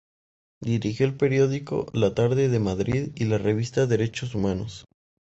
Dirigió el periódico "La Tarde de Madrid" y la revista "Derechos Humanos".